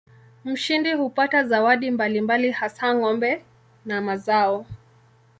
Mshindi hupata zawadi mbalimbali hasa ng'ombe na mazao.